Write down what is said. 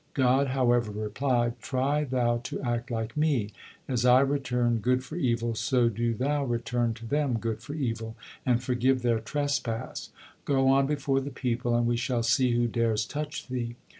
God, however, replied: "Try thou to act like Me; as I return good for evil, so do thou return to them good for evil, and forgive their trespass; go on before the people, and We shall see who dares touch thee."